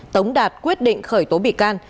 tống đạt quyết định khởi tố bị can